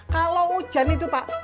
kalau hujan itu pak